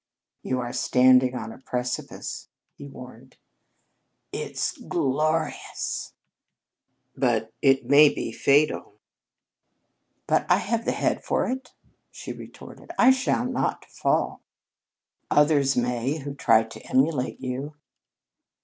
"You are standing on a precipice," he warned. "It's glorious!" "But it may be fatal." "But I have the head for it," she retorted. "I shall not fall!" "Others may who try to emulate you."